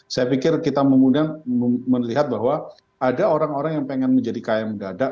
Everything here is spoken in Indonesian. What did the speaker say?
saya pikir kita memudah melihat bahwa ada orang orang yang pengen menjadi kaya mendadak